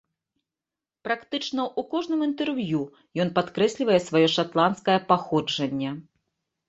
Практычна ў кожным інтэрв'ю ён падкрэслівае сваё шатландскае паходжанне.